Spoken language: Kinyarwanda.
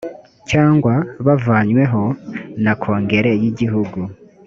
cyangwa bavanyweho na kongere y igihugu